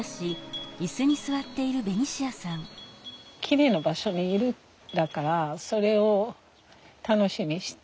きれいな場所にいるだからそれを楽しみにして。